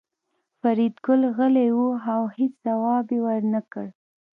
فریدګل غلی و او هېڅ ځواب یې ورنکړ